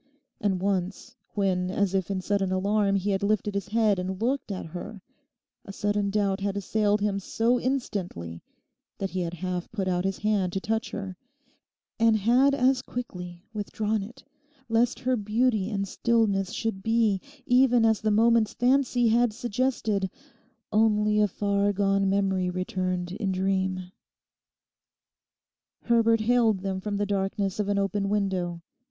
And once when as if in sudden alarm he had lifted his head and looked at her, a sudden doubt had assailed him so instantly that he had half put out his hand to touch her, and had as quickly withdrawn it, lest her beauty and stillness should be, even as the moment's fancy had suggested, only a far gone memory returned in dream. Herbert hailed them from the darkness of an open window.